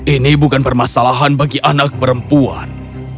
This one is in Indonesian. ini bukan permasalahan bagi anak perempuan